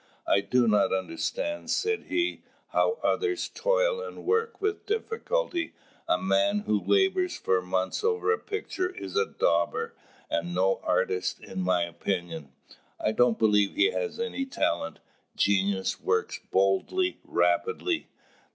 "I do not understand," said he, "how others toil and work with difficulty: a man who labours for months over a picture is a dauber, and no artist in my opinion; I don't believe he has any talent: genius works boldly, rapidly.